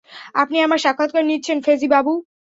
আপনি আমার সাক্ষাৎকার নিচ্ছেন, ফেজি বাবু?